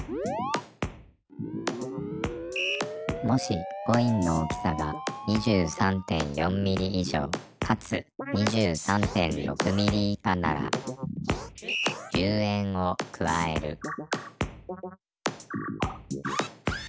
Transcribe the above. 「もしコインの大きさが２３．４ｍｍ以上かつ２３．６ｍｍ以下なら１０円を加える」